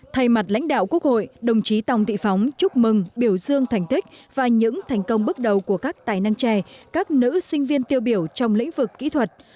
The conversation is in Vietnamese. thay mặt lãnh đạo quốc hội đồng chí tòng thị phóng chúc mừng biểu dương thành tích và những thành công bước đầu của các tài năng trẻ các nữ sinh viên tiêu biểu trong lĩnh vực kỹ thuật